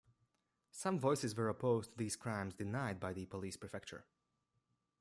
Some voices were opposed to these crimes denied by the police prefecture.